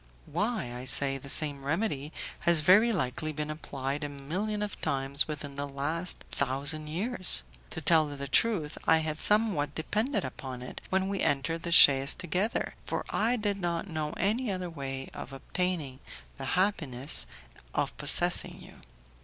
"Why," I said, "the same remedy has very likely been applied a million of times within the last thousand years. To tell you the truth, I had somewhat depended upon it, when we entered the chaise together, for I did not know any other way of obtaining the happiness of possessing you.